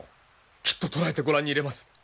きっと捕らえて御覧に入れます。